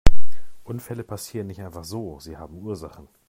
Unfälle passieren nicht einfach so, sie haben Ursachen.